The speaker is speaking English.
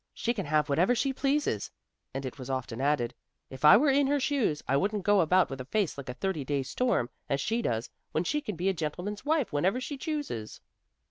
she can have whatever she pleases," and it was often added, "If I were in her shoes, I wouldn't go about with a face like a thirty days' storm, as she does, when she can be a gentleman's wife whenever she chooses!"